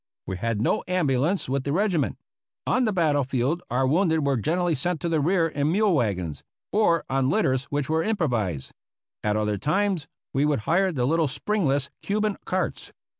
We had no ambulance with the regiment. On the battle field our wounded were generally sent to the rear in mule wagons, or on litters which were improvised. At other 276 APPENDIX B times we would hire the little springless Cuban carts.